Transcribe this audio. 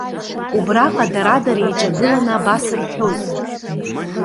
Убраҟа дара дара еиҿагыланы абас рҳәоит.